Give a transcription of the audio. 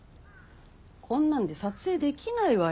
こんなんで撮影できないわよ。